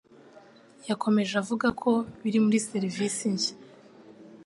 Yakomeje avuga ko biri muri serivisi nshya